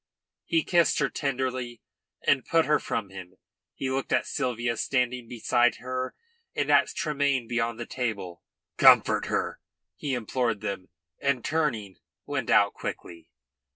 He kissed her tenderly and put her from him. He looked at Sylvia standing beside her and at Tremayne beyond the table. "Comfort her," he implored them, and, turning, went out quickly.